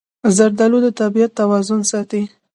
زردالو د طبیعت توازن ساتي.